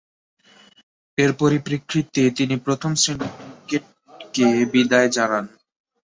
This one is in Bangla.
এর পরিপ্রেক্ষিতে তিনি প্রথম-শ্রেণীর ক্রিকেটকে বিদায় জানান।